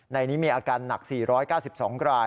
ในนี้มีอาการหนัก๔๙๒ราย